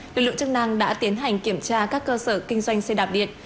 lực lượng chức năng đã tiến hành kiểm tra các cơ sở kinh doanh xe đạp điện